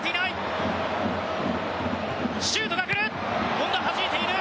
シュートが来る！